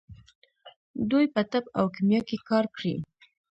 دوی په طب او کیمیا کې کار کړی.